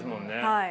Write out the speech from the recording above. はい。